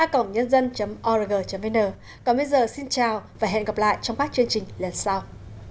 còn bây giờ xin chào và hẹn gặp lại trong các chương trình lần sau